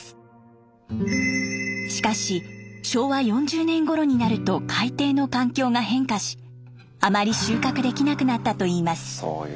しかし昭和４０年ごろになると海底の環境が変化しあまり収穫できなくなったといいます。